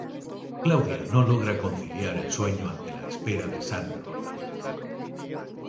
Claudia no logra conciliar el sueño ante la espera de Sandro a la habitación.